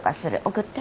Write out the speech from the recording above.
送って。